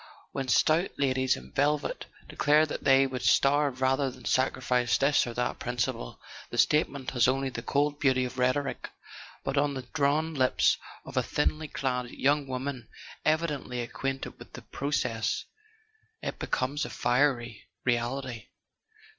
When stout ladies in velvet declare that they would starve rather than sacrifice this or that principle, the statement has only the cold beauty of rhetoric; but on the drawn lips of a thinly clad young woman evi¬ dently acquainted with the process, it becomes a fiery reality.